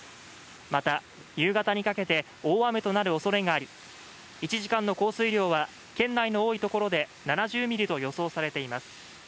また、夕方にかけて大雨となるおそれがあり１時間の降水量は県内の多い所で７０ミリと予想されています。